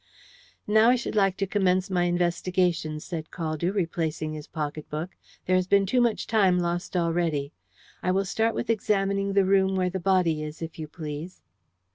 "Now I should like to commence my investigations," said Caldew, replacing his pocket book. "There has been too much time lost already. I will start with examining the room where the body is, if you please."